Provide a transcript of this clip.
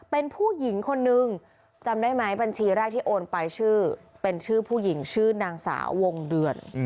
เป็นผู้หญิงคนนึงจำได้ไหมบัญชีแรกที่โอนไปชื่อเป็นชื่อผู้หญิงชื่อนางสาววงเดือน